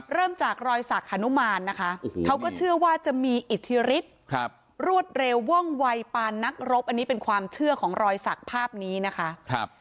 เริ่มจากรอยสักฮานุมานนะคะเขาก็เชื่อว่าจะมีอิทธิฤทธิ์รวดเร็วว่องวัยปานนักรบอันนี้เป็นความเชื่อของรอยสักภาพนี้นะคะ